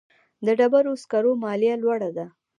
د ډبرو سکرو مالیه لوړه ده